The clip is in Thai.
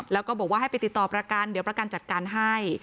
แล้วก็บอกว่าให้ไปติดต่อประกันเดี๋ยวประกันจัดการให้